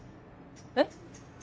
えっ！？